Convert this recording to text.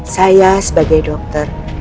saya sebagai dokter